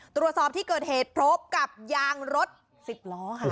ตรวจสอบที่เกิดเหตุพบกับยางรถ๑๐ล้อค่ะ